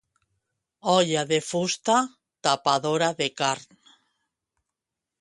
Olla de fusta, tapadora de carn.